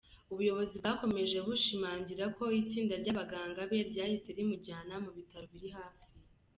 Ubuyobozi bwakomeje bushimangira ko “Itsinda ry’abaganga be ryahise rimujyana mu bitaro biri hafi”.